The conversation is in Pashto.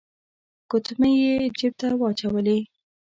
ګوتمۍ يې جيب ته واچولې.